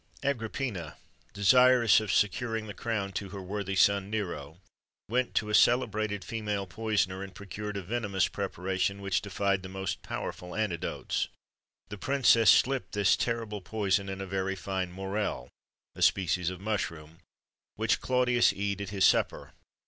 Agrippina, desirous of securing the crown to her worthy son, Nero, went to a celebrated female poisoner, and procured a venomous preparation which defied the most powerful antidotes.[XXIII 110] The Princess slipped this terrible poison in a very fine morel (a species of mushroom), which Claudius eat at his supper.